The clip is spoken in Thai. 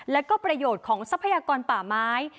และก็ประโยชน์ของทรัพยากรป่าไม้